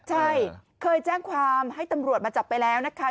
ใช่เคยแจ้งความให้ตำรวจมาจับไปแล้วนะคะ